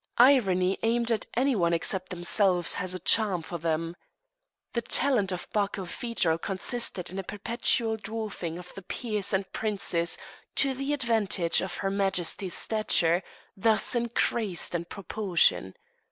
Irony aimed at any one except themselves has a charm for them. The talent of Barkilphedro consisted in a perpetual dwarfing of the peers and princes to the advantage of her Majesty's stature, thus increased in proportion.